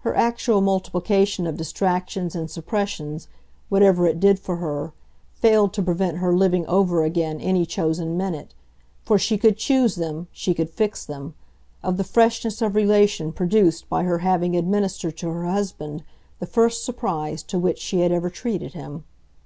Her actual multiplication of distractions and suppressions, whatever it did for her, failed to prevent her living over again any chosen minute for she could choose them, she could fix them of the freshness of relation produced by her having administered to her husband the first surprise to which she had ever treated him.